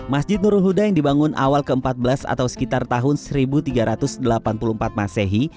masjid nurul huda yang dibangun awal ke empat belas atau sekitar tahun seribu tiga ratus delapan puluh empat masehi